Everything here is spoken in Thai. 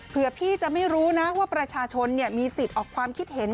เพื่อพี่จะไม่รู้นะว่าประชาชนมีสิทธิ์ออกความคิดเห็น